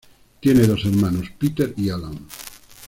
Tiene dos hermanos, Peter y Alan.